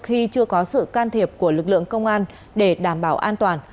khi chưa có sự can thiệp của lực lượng công an để đảm bảo an toàn